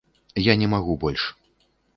Я не магу больш.